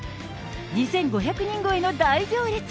２５００人超えの大行列。